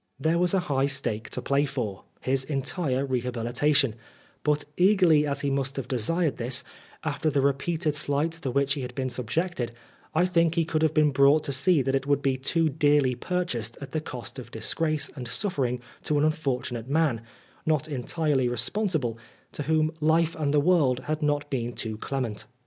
There was a high stake to play for his 1 20 Oscar Wilde entire rehabilitation ; but eagerly as he must have desired this, after the repeated slights to which he had been subjected, I think he could have been brought to see that it would be too dearly purchased at the cost of disgrace and suffering to an unfortunate man, not entirely responsible, to whom life and the world had not been too clement.